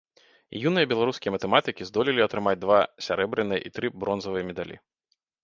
Юныя беларускія матэматыкі здолелі атрымаць два сярэбраныя і тры бронзавыя медалі.